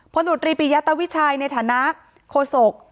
พนุธรีปิยะตะวิชัยในฐานะโฆษก